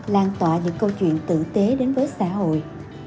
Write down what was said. lan tỏa những câu chuyện tử tế đến với xã hội